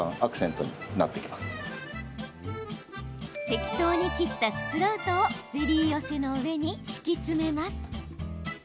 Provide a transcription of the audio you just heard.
適当に切ったスプラウトをゼリー寄せの上に敷き詰めます。